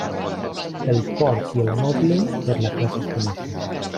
El porc i el noble, per la classe es coneixen.